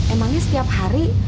emangnya setiap hari